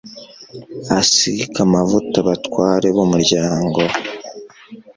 asiga amavuta abatware b'umuryango